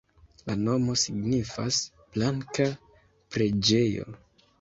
La nomo signifas: "blanka preĝejo".